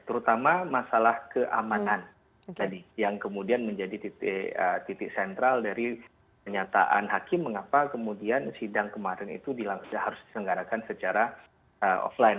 terutama masalah keamanan tadi yang kemudian menjadi titik sentral dari kenyataan hakim mengapa kemudian sidang kemarin itu harus diselenggarakan secara offline